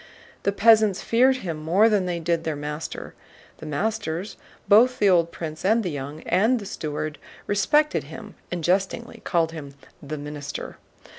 The peasants feared him more than they did their master. The masters, both the old prince and the young, and the steward respected him and jestingly called him "the Minister."